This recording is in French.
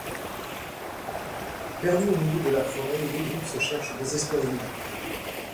Perdus au milieu de la forêt, les deux groupes se cherchent désespérément..